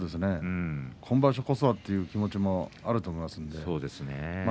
今場所こそはという気持ちもあると思います。